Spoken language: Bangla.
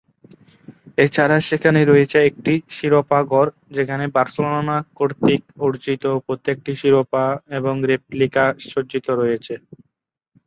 এছাড়া সেখানে রয়েছে একটি শিরোপা-ঘর, যেখানে বার্সেলোনা কর্তৃক অর্জিত প্রত্যেকটি শিরোপা এবং রেপ্লিকা সজ্জিত রয়েছে।